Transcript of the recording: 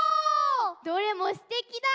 どれもすてきだ！